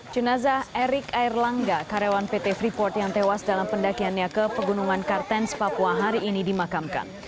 jenazah erik air langga karyawan pt freeport yang tewas dalam pendakiannya ke pegunungan kartens papua hari ini dimakamkan